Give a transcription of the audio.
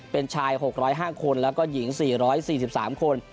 เป็นชาย๖๐๕คนแล้วก็หญิง๔๔๓คน